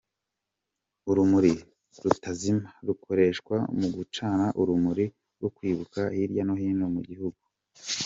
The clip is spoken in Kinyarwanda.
Urumuri Rutazima ruzakoreshwa mu gucana urumuri rwo Kwibuka hirya no hino mu gihugu.